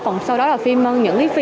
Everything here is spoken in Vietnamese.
còn sau đó là phim ơn những cái phim